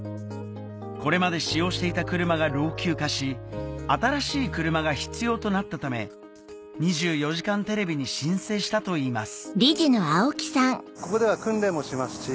これまで使用していた車が老朽化し新しい車が必要となったため『２４時間テレビ』に申請したといいます